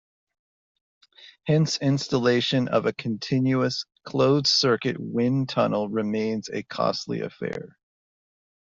Hence installation of a continuous, closed circuit wind tunnel remains a costly affair.